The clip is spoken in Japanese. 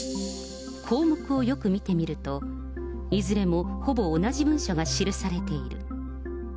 項目をよく見てみると、いずれもほぼ同じ文書が記されている。